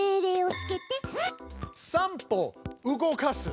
「３歩動かす」。